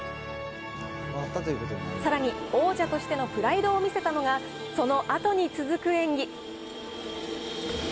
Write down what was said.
さらに王者としてのプライドを見せたのが、そのあとに続く演技。